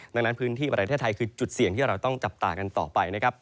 ดังนั้นพื้นที่ประเทศไทยคือจุดเสี่ยงที่เราต้องจับตากันต่อไปนะครับ